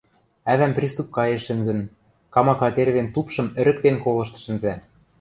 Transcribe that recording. Ӓвӓм приступкаэш шӹнзӹн, камака тервен тупшым ӹрӹктен колышт шӹнзӓ.